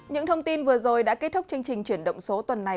những thông tin vừa rồi đã kết thúc chương trình chuyển động số tuần này